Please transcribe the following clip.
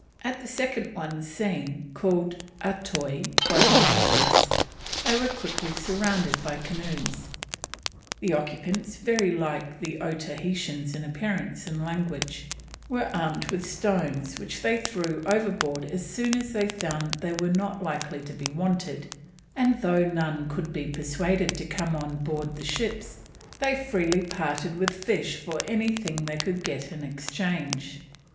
At the second one seen, called Atoui by the natives, they were quickly surrounded by canoes; the occupants, very like the Otaheitans in appearance and language, were armed with stones, which they threw overboard as soon as they found they were not likely to be wanted, and though none could be persuaded to come on board the ships, they freely parted with fish for anything they could get in exchange.